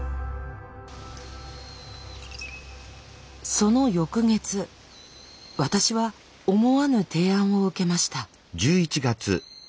その翌月私は思わぬ提案を受けました。